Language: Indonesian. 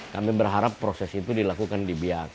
kami berharap proses itu dilakukan di biak